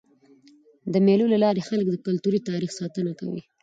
د مېلو له لاري خلک د کلتوري تاریخ ساتنه کوي.